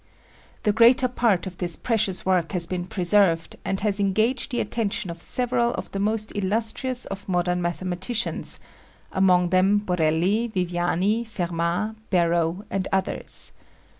The greater part of this precious work has been preserved and has engaged the attention of several of the most illustrious of modern mathematicians among them Borelli, Viviani, Fermat, Barrow and others.